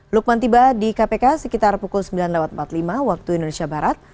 lukman tiba di kpk sekitar pukul sembilan empat puluh lima waktu indonesia barat